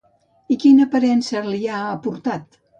I quina aparença li ha aportat?